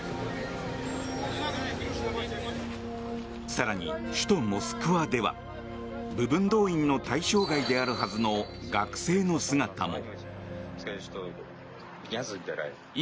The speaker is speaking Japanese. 更に首都モスクワでは部分動員の対象外であるはずの学生の姿も。